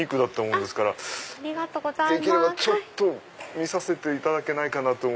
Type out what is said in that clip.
できればちょっと見させていただけないかと。